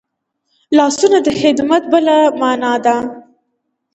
لاسونه د خدمت بله مانا ده